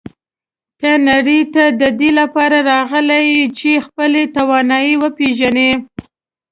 ته نړۍ ته د دې لپاره راغلی یې چې خپلې توانایی وپېژنې.